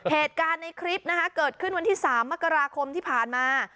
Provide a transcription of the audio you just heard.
เหตุการณ์ในคลิปนะคะเกิดขึ้นวันที่๓มกราคมที่ผ่านมา